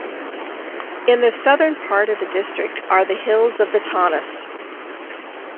In the southern part of the district are the hills of the Taunus.